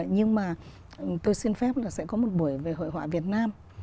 nhưng mà tôi xin phép là sẽ có một buổi về hội họa việt nam